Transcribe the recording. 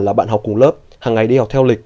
là bạn học cùng lớp hằng ngày đi học theo lịch